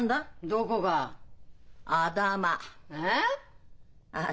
どこが？頭。